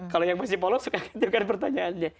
kalau yang masih polos suka nanya pertanyaannya